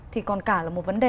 thì còn cả là một vấn đề